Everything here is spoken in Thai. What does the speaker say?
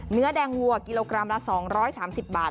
เนื้อแดงวัวกิโลกรัมละ๒๓๐บาท